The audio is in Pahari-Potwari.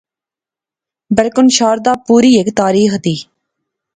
بلکن شاردا پوری ہیک تاریخ دی